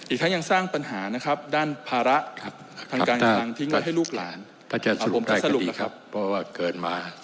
อีกทั้งยังสร้างปัญหาด้านภาระทางการยังทิ้งไว้ให้ลูกหลาน